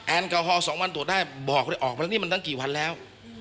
แอลกอฮอล๒วันตรวจได้บอกเลยออกมาแล้วนี่มันตั้งกี่วันแล้ว